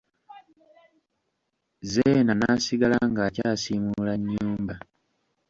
Zeena n'asigala ng'akyasiimula nnyumba.